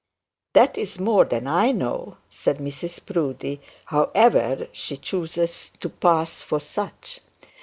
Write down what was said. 'That's more than I know,' said Mrs Proudie; 'however she chooses to pass for such.